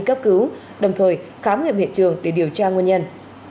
cấp cứu đồng thời khám nghiệm hiện trường để điều tra nguyên nhân